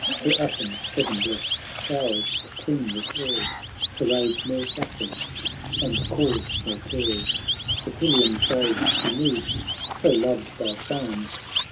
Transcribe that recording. To Athens' heaven blest towers the Queen repairs To raise more sufferings, and to cause more cares ; The Pylian Sage she moved, so loved by fame.